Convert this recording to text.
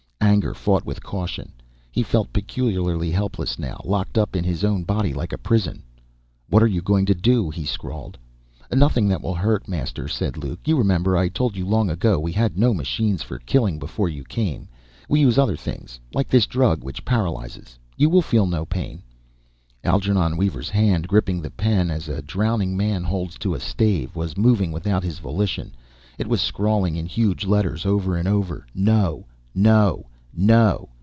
Anger fought with caution. He felt peculiarly helpless now, locked up in his own body like a prison. "What are you going to do?" he scrawled. "Nothing that will hurt, Master," said Luke. "You remember, I told you long ago, we had no machines for killing before you came. We used other things, like this drug which paralyzes. You will feel no pain." Algernon Weaver's hand, gripping the pen as a drowning man holds to a stave, was moving without his volition. It was scrawling in huge letters, over and over, "NO NO NO"....